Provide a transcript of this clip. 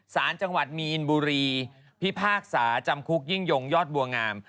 สารจังหวัดมีอินบุรีพิพากษาจำคุกยิ่งยงยอดบัวงาม